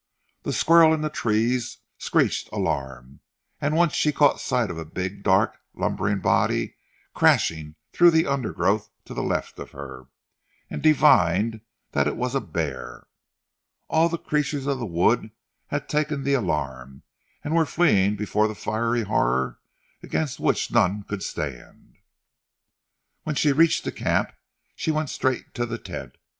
The squirrel in the trees screeched alarm and once she caught sight of a big, dark lumbering body crashing through the undergrowth to the left of her, and divined that it was a bear. All the creatures of the wood had taken the alarm and were fleeing before the fiery horror against which none could stand. When she reached the camp she went straight to the tent.